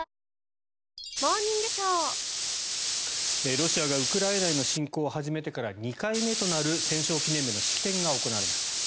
ロシアがウクライナへの侵攻を始めてから２回目となる戦勝記念日の式典が行われました。